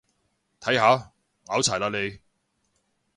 睇下，拗柴喇你